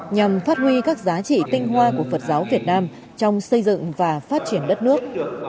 nhằm phát huy các giá trị tinh hoa của phật giáo việt nam trong xây dựng và phát triển đất nước